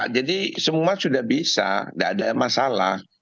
jadi semua sudah bisa tidak ada masalah